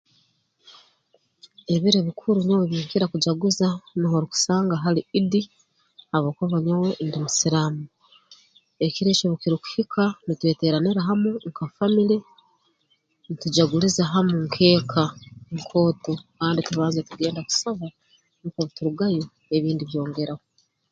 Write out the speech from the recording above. Ebiro ebikuru nyowe ebi nkira kujaguza nuho orukusanga hali Idi habwokuba nyowe ndi Musiraamu ekiro eki obu kirukuhika nitweteeranira hamu nka family ntujaguliza hamu nk'eka nkooto kandi tubanza tugenda kusaba nukwo obu turugayo ebindi byongeraho